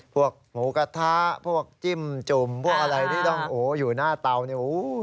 พวกหมูกระทะพวกจิ้มจุ่มพวกอะไรที่ต้องอยู่หน้าเตาเนี่ย